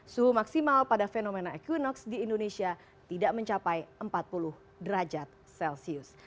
suhu maksimal pada fenomena equinox di indonesia tidak mencapai empat puluh derajat celcius